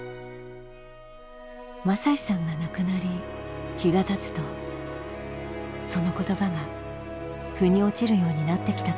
雅司さんが亡くなり日がたつとその言葉が腑に落ちるようになってきたといいます。